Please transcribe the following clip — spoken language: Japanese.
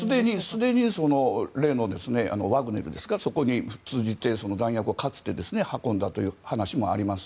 すでに例のワグネルですかそこに通じて弾薬をかつて運んだという話もあります。